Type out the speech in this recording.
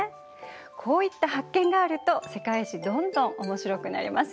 こういった発見があると「世界史」どんどんおもしろくなりますよ。